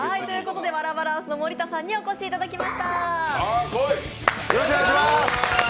ワラバランスの盛田さんにお越しいただきました。